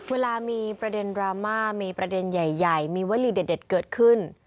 เวลามีประเด็นดราม่ามีประเด็นใหญ่มีวลีเด็ดเกิดขึ้น